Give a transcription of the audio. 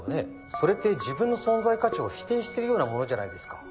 それって自分の存在価値を否定してるようなものじゃないですか。